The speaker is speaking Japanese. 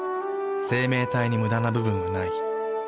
生命体にムダな部分はない。